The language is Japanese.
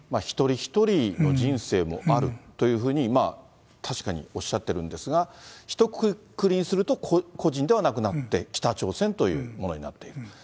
一人一人の人生もあるというふうに、確かにおっしゃってるんですが、ひとくくりにすると、個人ではなくなって北朝鮮というものになっている。